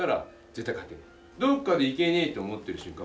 どっかで行けねえって思ってる瞬間